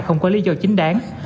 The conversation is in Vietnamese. không có lý do chính đáng